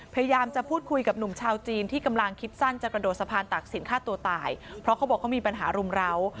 พยายามจะพูดคุยกับหนุ่มชาวจีนที่กำลังคิดสั้นจะกระโดดสะพานตักศิลปฆ่าตัวตายเพราะเขาบอกเขามีปัญหารุมร้าว